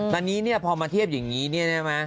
ตอนนี้พอมาเทียบอย่างนี้นี่ไหม